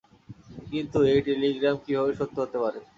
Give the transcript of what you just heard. কিন্তু, এই টেলিগ্রাম কীভাবে সত্য হতে পারে?